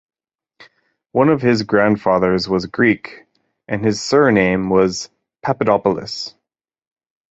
One of his grandfathers was Greek and his surname was Papadopoulos.